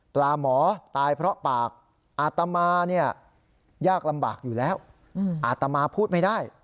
ปลาหมอตายเพราะปากอาตมาเนี่ยยากลำบากอยู่แล้วอาตมาพูดไม่ได้